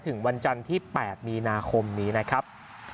วันจันทร์ที่๘มีนาคมนี้นะครับ